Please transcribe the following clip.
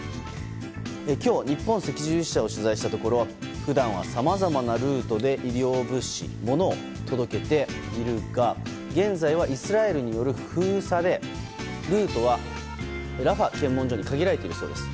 今日日本赤十字社を取材したところ普段はさまざまなルートで医療物資、物を届けているが現在はイスラエルによる封鎖でルートはラファ検問所に限られているそうです。